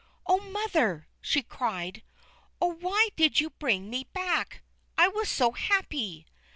"Oh, mother!" she cried. "Oh, why did you bring me back! I was so happy!